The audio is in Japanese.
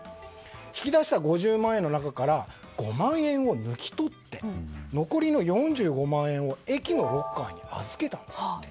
引き出した５０万円の中から５万円を抜き取って残りの４５万円を駅のロッカーに預けたんですって。